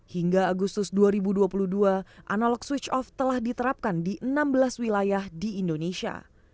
hingga agustus dua ribu dua puluh dua analog switch off telah diterapkan di enam belas wilayah di indonesia